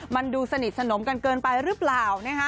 มันดูสนิทสนมกันเกินไปหรือเปล่านะคะ